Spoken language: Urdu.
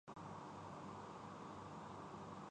رات کے کھانے پر ہم نے اس معمے پر کافی سوچ بچار کی